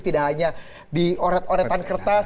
tidak hanya dioret oretan kertas